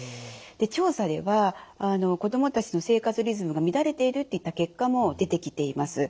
調査では子どもたちの生活リズムが乱れているといった結果も出てきています。